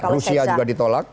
rusia juga ditolak